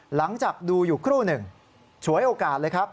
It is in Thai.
หลังจากดูอยู่ครู่หนึ่งฉวยโอกาสเลยครับ